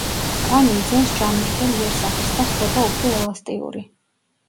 კანი იძენს ჯანმრთელ იერსახეს და ხდება უფრო ელასტიური.